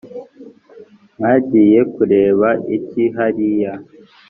mwagiye kureba iki hariya